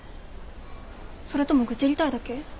それとも愚痴りたいだけ？